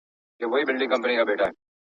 ساعت پسې ساعت تیریده خو څانګه خاموشه وه.